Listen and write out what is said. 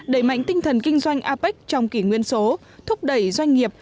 đẩy mạnh tinh thần kinh doanh apec trong kỷ nguyên số thúc đẩy doanh nghiệp